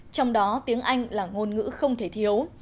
trong đó tiếng anh là ngôn ngữ không thể thiếu